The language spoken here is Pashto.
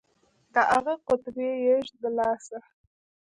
د اغه قطبي يږ د لاسه.